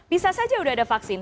bisa saja sudah ada vaksin